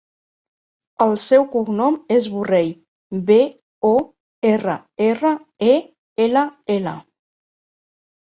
El seu cognom és Borrell: be, o, erra, erra, e, ela, ela.